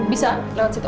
bisa lewat situ